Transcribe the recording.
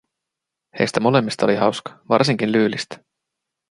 Heistä molemmista oli hauska, varsinkin Lyylistä.